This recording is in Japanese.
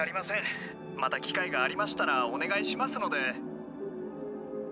また機会がありましたらお願いしますので。